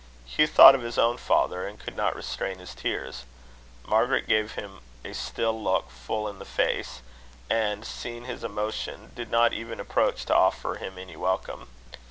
Hugh thought of his own father, and could not restrain his tears. Margaret gave him a still look full in the face, and, seeing his emotion, did not even approach to offer him any welcome.